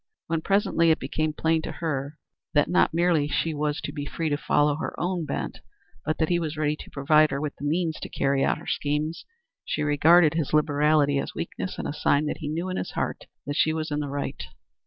When presently it became plain to her that not merely she was to be free to follow her own bent, but that he was ready to provide her with the means to carry out her schemes, she regarded his liberality as weakness and a sign that he knew in his heart that she was in the right.